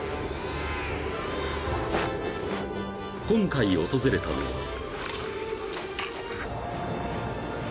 ［今回訪れたのは］